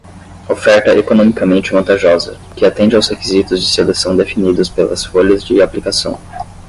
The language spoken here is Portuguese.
Oferta economicamente vantajosa, que atende aos requisitos de seleção definidos pelas folhas de aplicação.